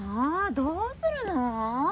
どうするの？